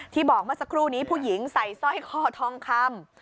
บอกเมื่อสักครู่นี้ผู้หญิงใส่สร้อยคอทองคำ